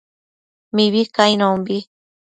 Mibi cainonbi